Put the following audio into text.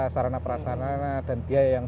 sarana prasarana dan biaya yang